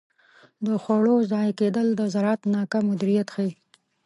د خوړو ضایع کیدل د زراعت ناکام مدیریت ښيي.